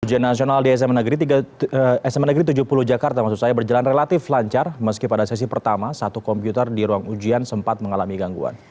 ujian nasional di sma negeri tujuh puluh jakarta berjalan relatif lancar meski pada sesi pertama satu komputer di ruang ujian sempat mengalami gangguan